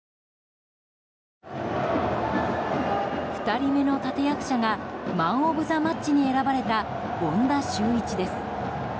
２人目の立役者がマン・オブ・ザ・マッチに選ばれた権田修一です。